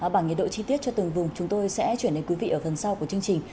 bằng nhiệt độ chi tiết cho từng vùng chúng tôi sẽ chuyển đến quý vị ở phần sau của chương trình